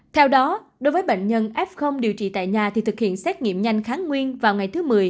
theo đó đối với bệnh nhân f điều trị tại nhà thì thực hiện xét nghiệm nhanh kháng nguyên vào ngày thứ một mươi